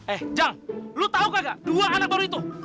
eh jang lu tau gak dua anak baru itu